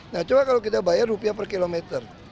nah coba kalau kita bayar rupiah per kilometer